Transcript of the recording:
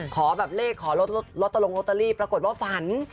ขอเลขขอรถตะลงโรตเตอรี่ปรากฏว่าฝัน